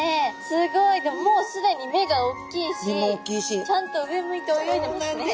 すごいでももうすでに目が大きいしちゃんと上向いて泳いでますね。